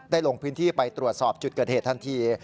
ลงพื้นที่ไปตรวจสอบจุดเกิดเหตุทันที